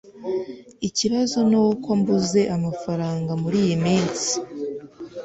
ikibazo nuko mbuze amafaranga muriyi minsi